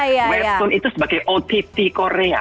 ya webtoon itu sebagai ott korea